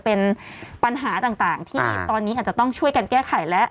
เป็นปัญหาต่างที่ตอนนี้อาจจะต้องช่วยกันแก้ไขแล้ว